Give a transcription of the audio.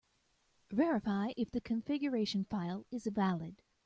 Verify if the configuration file is valid.